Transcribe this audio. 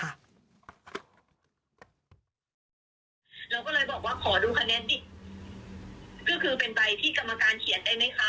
เราก็เลยบอกว่าขอดูคะแนนดิก็คือเป็นใบที่กรรมการเขียนได้ไหมคะ